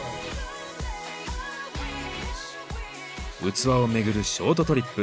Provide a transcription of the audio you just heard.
器をめぐるショートトリップ。